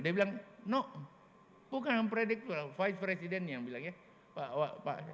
dia bilang nok bukan mempredik vice president yang bilang ya pak